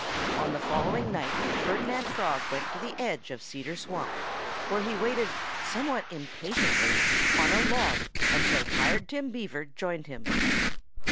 On the following night Ferdinand Frog went to the edge of Cedar Swamp, where he waited somewhat impatiently on a log until Tired Tim Beaver joined him.